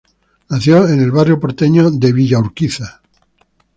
Nació en el barrio porteño de Villa Urquiza.